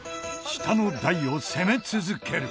下の台を攻め続ける。